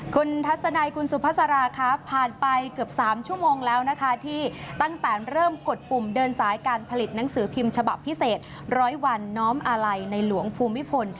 คุณทัศนัยคุณสุภาษาราค่ะผ่านไปเกือบ๓ชั่วโมงแล้วนะคะที่ตั้งแต่เริ่มกดปุ่มเดินสายการผลิตหนังสือพิมพ์ฉบับพิเศษร้อยวันน้อมอาลัยในหลวงภูมิพล